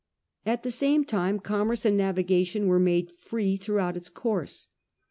At the same time commerce and navigation were made free throughout its course.